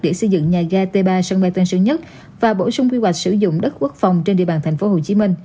để xây dựng nhà ga t ba sân bay tân sơn nhất và bổ sung quy hoạch sử dụng đất quốc phòng trên địa bàn tp hcm